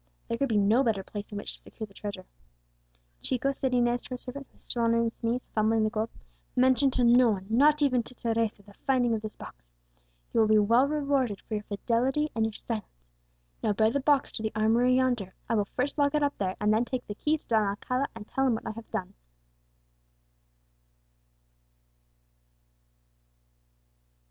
There could be no better place in which to secure the treasure. "Chico," said Inez to her servant, who was still on his knees, fumbling the gold, "mention to no one not even to Teresa the finding of this box. You shall be well rewarded for your fidelity and your silence. Now bear the box to the armoury yonder; I will first lock it up there, and then take the key to Don Alcala, and tell him what I have done."